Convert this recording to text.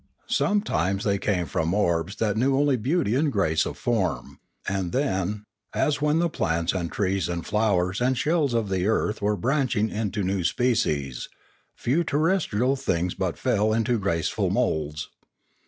Sometimes they came from orbs that knew only beauty and grace of form; and then, as when the plants and trees and flowers and shells of the earth were branching into new species, few terrestrial things but fell into graceful moulds.